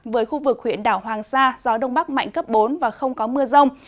với khu vực huyện đảo hoàng sa gió đông bắc mạnh cấp bốn và không có mưa rông